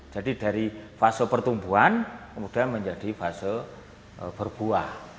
jadi dari fase pertumbuhan kemudian menjadi fase berbuah